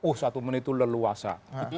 oh satu menit itu leluasa